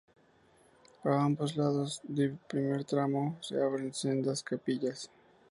A ambos lados del primer tramo se abren sendas capillas.